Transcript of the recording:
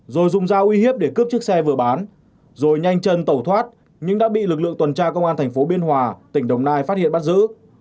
rồi dùng dao uy hiếp để cướp chiếc xe vừa bán rồi nhanh chân tẩu thoát nhưng đã bị lực lượng tuần tra công an thành phố biên hòa tỉnh đồng nai phát hiện bắt giữ